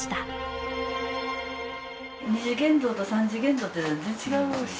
２次元像と３次元像って全然違うし